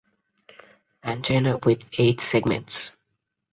Antenna with eight segments.